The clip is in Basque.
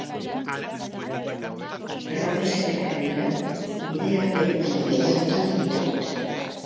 Erromesek, gainera, bidea behin baino gehiagotan egiten dute.